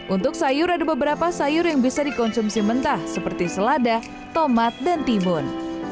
untuk sayur ada beberapa sayur yang bisa dikonsumsi mentah seperti selada tomat dan timun